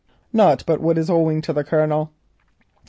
Not but what it is all owing to the Colonel.